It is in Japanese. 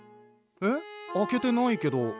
えっ開けてないけど。